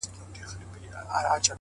o لـكــه دی لـــونــــــگ؛